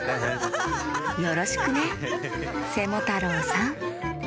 よろしくねセモタロウさん！